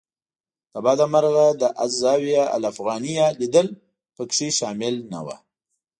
له بده مرغه د الزاویة الافغانیه لیدل په کې شامل نه و.